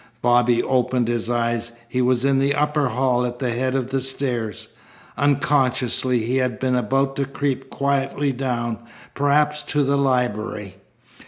Bobby opened his eyes. He was in the upper hall at the head of the stairs. Unconsciously he had been about to creep quietly down, perhaps to the library.